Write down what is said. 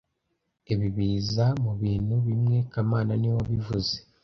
Ibi biza mubintu bimwe kamana niwe wabivuze